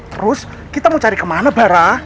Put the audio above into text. terus kita mau cari kemana bara